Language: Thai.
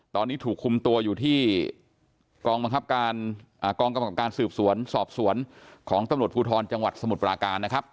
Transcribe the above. ที่ถูกคุมตัวอยู่ที่กองบังคับการสืบสวนสอบสวนของตำรวจภูทรจังหวัดสมุทรปราการนะครับ